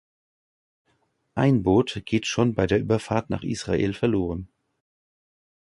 Ein Boot geht schon bei der Überfahrt nach Israel verloren.